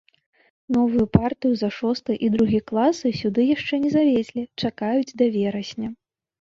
Новую партыю за шосты і другі класы сюды яшчэ не завезлі, чакаюць да верасня.